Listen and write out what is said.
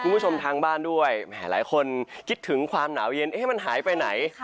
คุณผู้ชมทางบ้านด้วยแหมหลายคนคิดถึงความหนาวเย็นมันหายไปไหน